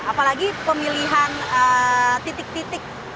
apalagi pemilihan titik titik